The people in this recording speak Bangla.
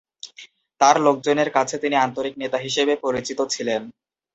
তার লোকজনের কাছে তিনি আন্তরিক নেতা হিসেবে পরিচিত ছিলেন।